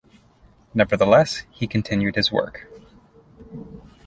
Nevertheless, he continued his work.